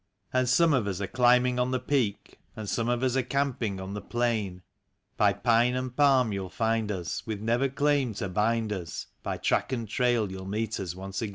And some of us are climbing on the peak, And some of us are camping on the plain ; By pine and palm you'll find us, with never claim to bind us, By track and trail 3'ou'll meet us once again.